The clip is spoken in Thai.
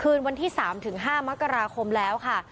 คืนวันที่๓ถึง๕มกราคมแล้วค่ะ